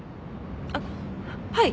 あっはい。